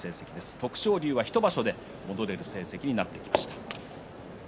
徳勝龍は１場所で戻れる成績になってきました。